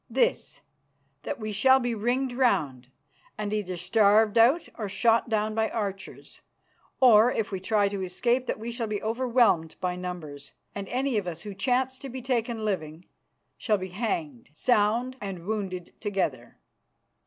"This: That we shall be ringed round, and either starved out or shot down by archers. Or, if we try to escape, that we shall be overwhelmed by numbers, and any of us who chance to be taken living shall be hanged, sound and wounded together."